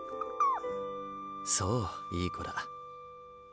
そういい子だ。